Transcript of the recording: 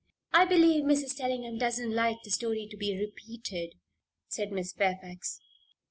I believe Mrs. Tellingham doesn't like the story to be repeated," added Miss Fairfax.